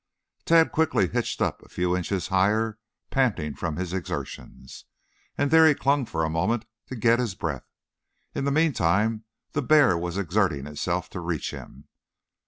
Tad quickly hitched up a few inches higher, panting from his exertions, and there he clung for a moment to get his breath. In the meantime the bear was exerting itself to reach him.